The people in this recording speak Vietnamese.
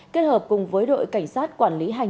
kết hợp cùng với đội cảnh sát quản lý hành